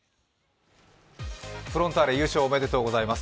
フロンターレ、優勝おめでとうございます。